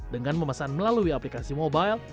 dengan memesan melalui aplikasi mobile